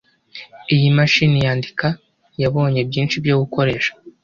Iyi mashini yandika yabonye byinshi byo gukoresha.